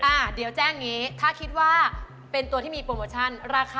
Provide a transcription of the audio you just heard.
อ่าเดี๋ยวแจ้งอย่างนี้ถ้าคิดว่าเป็นตัวที่มีโปรโมชั่นราคา